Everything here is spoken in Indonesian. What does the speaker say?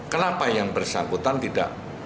kenapa yang bersangkutan tidak